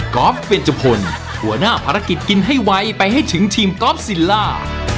อล์ฟเวรจุพลหัวหน้าภารกิจกินให้ไวไปให้ถึงทีมกอล์ฟซิลล่า